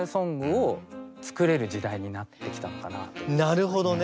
なるほどね。